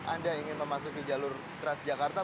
anda ingin memasuki jalur trans jakarta